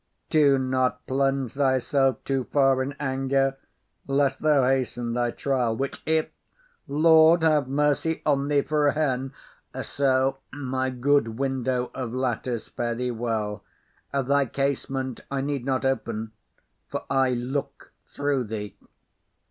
Do not plunge thyself too far in anger, lest thou hasten thy trial; which if—Lord have mercy on thee for a hen! So, my good window of lattice, fare thee well; thy casement I need not open, for I look through thee.